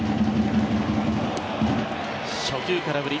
初球、空振り。